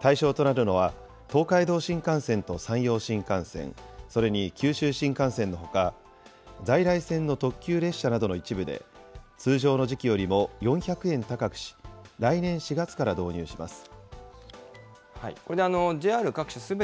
対象となるのは、東海道新幹線と山陽新幹線、それに九州新幹線のほか、在来線の特急列車などの一部で、通常の時期よりも４００円高くし、来年４月から導入します。